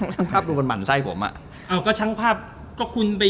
ช่างภาพดูมันหมั่นไส้ผมอ่ะอ่าก็ช่างภาพก็คุณไป